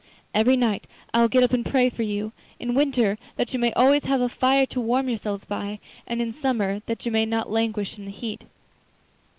Every night I will get up and pray for you, in winter that you may always have a fire to warm yourselves by, and in summer that you may not languish in the heat.